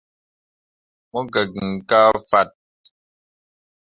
Mo gah gn kah fat.